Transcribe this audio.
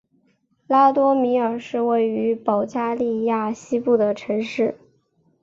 拉多米尔是位于保加利亚西部的城市。